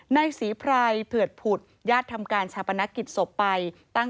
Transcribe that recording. ในศรีไพรเผือดผุดญาติทำการชาปนกิจศพไปตั้ง